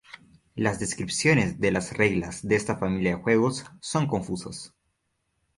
Las descripciones de las reglas de esta familia de juegos son confusas.